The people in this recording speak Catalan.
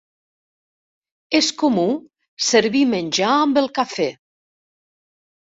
És comú servir menjar amb el cafè.